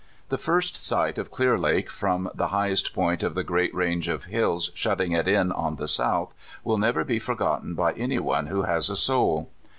The first sight of Clear Lake, from the highest point of the great range of hills shutting it in on the south, will never be forgotten by any one who has a soul.